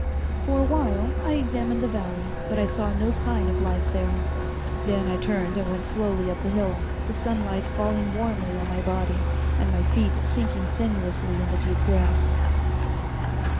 For a while I examined the valley, but I saw no sign of life there. Then I turned and went slowly up the hill, the sunlight falling warmly on my body, and my feet sinking sensuously in the deep grass.